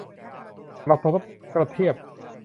กระทบกระเทียบ